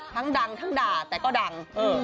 ทั้งดังทั้งด่าแต่ก็ดัง